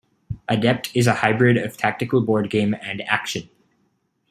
"Adept" is a hybrid of a tactical board game and action.